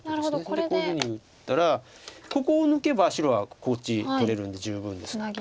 それでこういうふうに打ったらここを抜けば白はこっち取れるんで十分です。